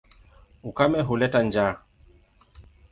Ukame huleta njaa.